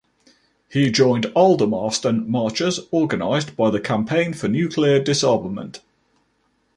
He joined the Aldermaston marches organised by the Campaign for Nuclear Disarmament.